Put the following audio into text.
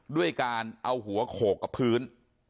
ด้วยการเอาหัวโขกกับพื้น